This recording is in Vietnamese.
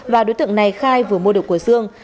và đối tượng này khai vừa mua được của sương